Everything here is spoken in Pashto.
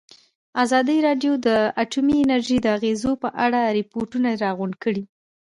ازادي راډیو د اټومي انرژي د اغېزو په اړه ریپوټونه راغونډ کړي.